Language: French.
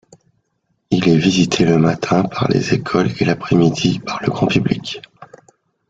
Il est visité le matin par les écoles et l’après-midi par le grand public.